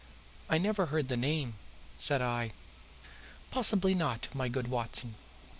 "I never heard the name," said I. "Possibly not, my good Watson.